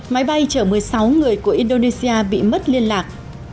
máy bay chở một mươi sáu người của indonesia bị mất liên lạc